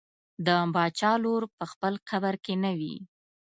د باچا لور په خپل قبر کې نه وي.